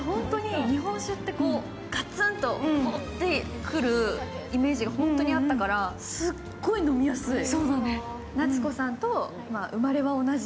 日本酒ってガツンとくるイメージが本当にあったからすっごい飲みやすい。